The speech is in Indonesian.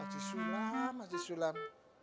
haji sulam haji sulam